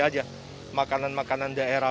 aja makanan makanan daerah